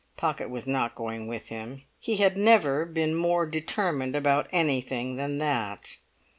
Pocket was not going with him. He had never been more determined about anything than that.